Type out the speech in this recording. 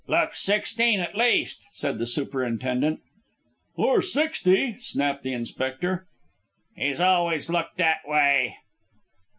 "Looks sixteen at least," said the superintendent. "Or sixty," snapped the inspector. "He's always looked that way."